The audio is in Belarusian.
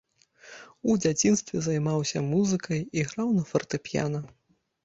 У дзяцінстве займаўся музыкай, іграў на фартэпіяна.